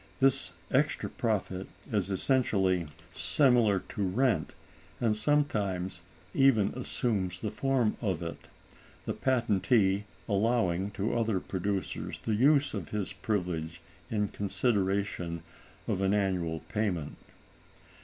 This extra profit is essentially similar to rent, and sometimes even assumes the form of it, the patentee allowing to other producers the use of his privilege in consideration of an annual payment.